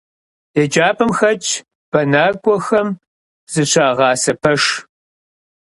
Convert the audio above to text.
ЕджапӀэм хэтщ бэнакӀуэхэм зыщагъасэ пэш.